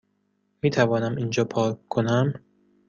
میتوانم اینجا پارک کنم؟